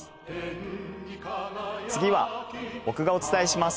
次は僕がお伝えします。